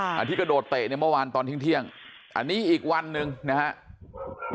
อันที่กระโดดเตะเมื่อวานตอนที่เที่ยงอันนี้อีกวันหนึ่งนะครับ